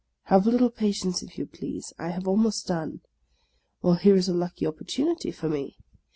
Have a little patience, if you please; I have almost done. Well, here is a lucky opportunity for me.